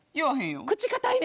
口堅いね。